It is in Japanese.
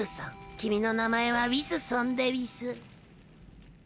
君の名前はウィスソンでうぃす。